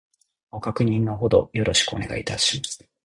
ご確認の程よろしくお願いいたします